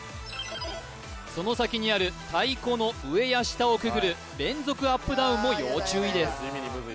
その先にある太鼓の上や下をくぐる連続アップダウンも要注意です